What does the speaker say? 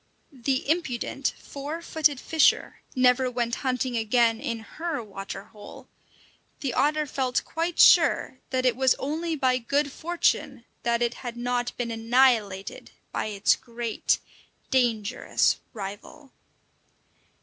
The impudent, four footed fisher never went hunting again in her water hole. The otter felt quite sure that it was only by good fortune that it had not been annihilated by its great, dangerous rival.